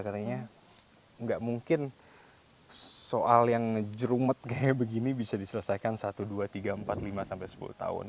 karena gak mungkin soal yang ngejerumet kayak begini bisa diselesaikan satu dua tiga empat lima sampai sepuluh tahun